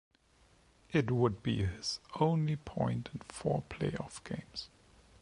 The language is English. It would be his only point in four playoff games.